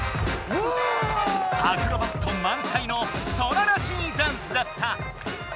アクロバットまんさいのソラらしいダンスだった！